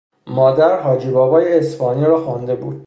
مادر «حاجی بابای اصفهانی» را خوانده بود.